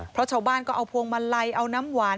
เพราะชาวบ้านก็เอาพวงมาลัยเอาน้ำหวาน